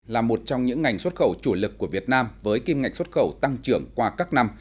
là một trong những ngành xuất khẩu chủ lực của việt nam với kim ngạch xuất khẩu tăng trưởng qua các năm